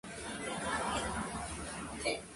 Cori consiguió medalla de bronce individual en su tablero.